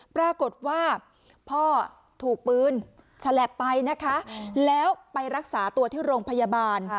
ปรากฏว่าพ่อถูกปืนฉลับไปนะคะแล้วไปรักษาตัวที่โรงพยาบาล